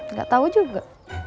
nggak tau juga